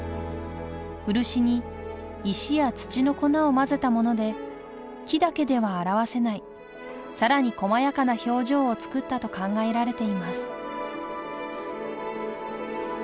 漆に石や土の粉を混ぜたもので木だけでは表せない更にこまやかな表情を作ったと考えられています